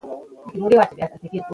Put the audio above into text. مور د ماشوم د لوبو وخت ټاکي.